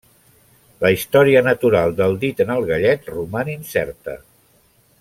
La història natural del dit en el gallet roman incerta.